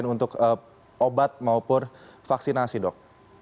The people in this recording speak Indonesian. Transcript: untuk obat maupun vaksinasi dok